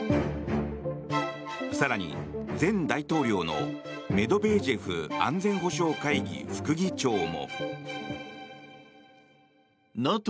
更に、前大統領のメドベージェフ安全保障会議副議長も。